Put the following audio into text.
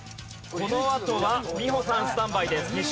このあとは美穂さんスタンバイです。